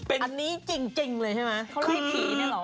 อันนี้จริงเลยใช่ไหมหรือ